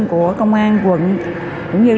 của công an quận tân phú